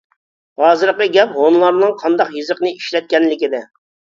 ھازىرقى گەپ ھونلارنىڭ قانداق يېزىقنى ئىشلەتكەنلىكىدە!